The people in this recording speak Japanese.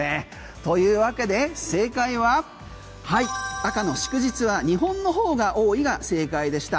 というわけで正解ははい、赤の祝日は日本の方が多いが正解でした。